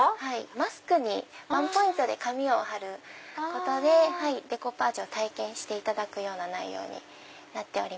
マスクにワンポイントで紙を貼ることでデコパージュを体験していただく内容になっております。